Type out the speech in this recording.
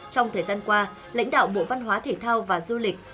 trong thời gian qua lãnh đạo bộ văn hóa thể thao và du lịch